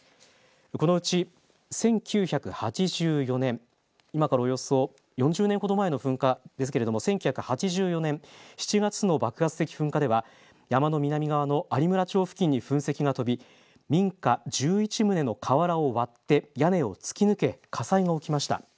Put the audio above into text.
このうち１９８４年、今からおよそ４０年ほど前の噴火ですけれども１９８４年７月の爆発的噴火では山の南側の有村町付近に噴石が飛び民家１１棟の瓦を割って屋根を突き抜け、火災が起きました。